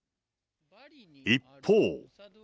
一方。